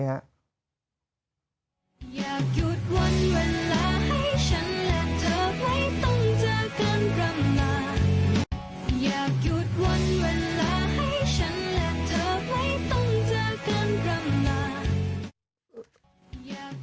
อยากหยุดวันเวลาให้ฉันและเธอไม่ต้องเจอกันกลางมา